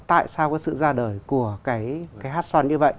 tại sao có sự ra đời của cái hát xoan như vậy